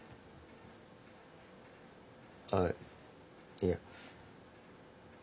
あっいや。